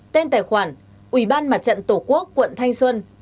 tên tài khoản ủy ban mặt trận tổ quốc quận thanh xuân